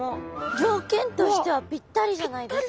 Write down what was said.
条件としてはピッタリじゃないですか？